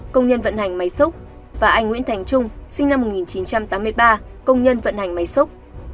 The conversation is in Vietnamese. công nhân vận hành máy xúc và anh nguyễn thành trung sinh năm một nghìn chín trăm tám mươi ba công nhân vận hành máy xúc